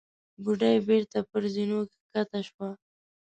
بوډۍ بېرته پر زينو کښته شوه.